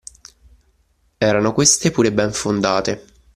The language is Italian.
Erano queste pure ben fondate